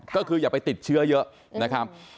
ก็คืออย่าไปติดเชื้อเยอะนะครับ